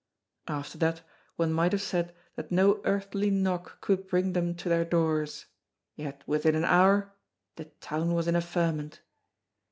After that one might have said that no earthly knock could bring them to their doors, yet within an hour the town was in a ferment.